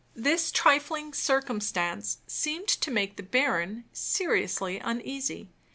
This trifling circumstance seemed to make the baron seriously uneasy.